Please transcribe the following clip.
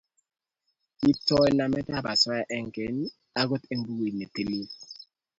Kitaoi namet ab asoya eng' kenye angot eng bukuit ne tilil